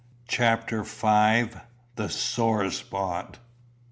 CHAPTER V. THE SORE SPOT.